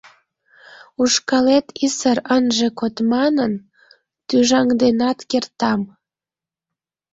— Ушкалет исыр ынже код манын, тӱжаҥденат кертам.